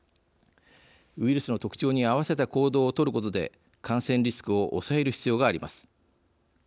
ウイルスの特徴に合わせた行動をとることで感染リスクを抑える必要があります。